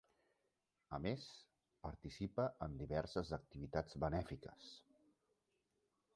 A més, participa en diverses activitats benèfiques.